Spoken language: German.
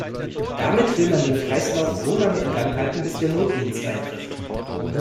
Damit will man den Kreislauf solange in Gang halten, bis der Notdienst eintrifft.